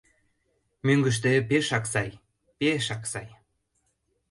— Мӧҥгыштӧ пешак сай, пешак сай!